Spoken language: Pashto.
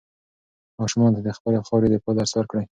ماشومانو ته د خپلې خاورې د دفاع درس ورکړئ.